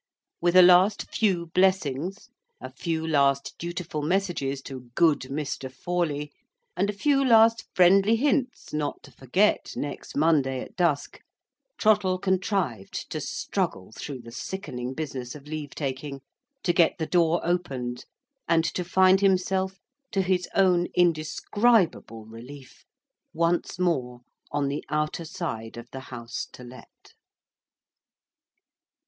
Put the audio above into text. With a few last blessings, a few last dutiful messages to good Mr. Forley, and a few last friendly hints not to forget next Monday at dusk, Trottle contrived to struggle through the sickening business of leave taking; to get the door opened; and to find himself, to his own indescribable relief, once more on the outer side of the House To Let.